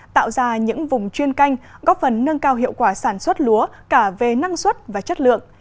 tạo ra những vùng chuyên canh góp phần nâng cao hiệu quả sản xuất lúa cả về năng suất và chất lượng